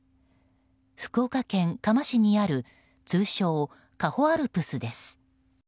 福岡県嘉麻市にある通称・嘉穂アルプスです。